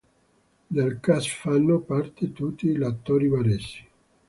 Del cast fanno parte tutti attori baresi.